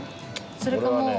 それかもう。